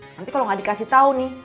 nanti kalo gak dikasih tau nih